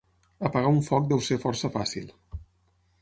Apagar un foc deu ser força fàcil.